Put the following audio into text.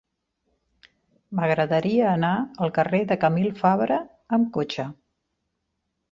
M'agradaria anar al carrer de Camil Fabra amb cotxe.